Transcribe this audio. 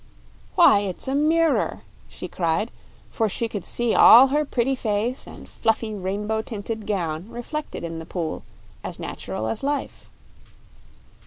"Why, it's a mirror!" she cried; for she could see all her pretty face and fluffy, rainbow tinted gown reflected in the pool, as natural as life.